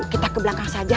kita ke belakang saja